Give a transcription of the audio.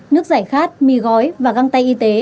nước giải khát mì gói và găng tay y tế